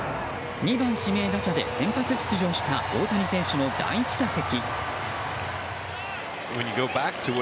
２番指名打者で先発出場した大谷選手の第１打席。